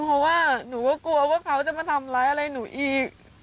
เพราะว่าหนูก็กลัวว่าเขาจะมาทำร้ายอะไรหนูอีก